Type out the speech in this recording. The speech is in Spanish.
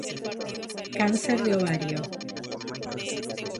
Cáncer de ovario